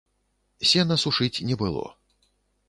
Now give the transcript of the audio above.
Сена сушыць не было.